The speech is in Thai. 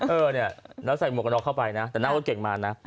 เออเนี่ยแล้วใส่หมวกกระน็อกเข้าไปนะแต่นั่งรถเก่งมานะ